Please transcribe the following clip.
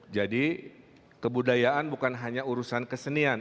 jadi kebudayaan bukan hanya urusan kesenian